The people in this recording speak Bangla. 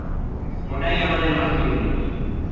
ওটাই আমাদের মাতৃভূমি।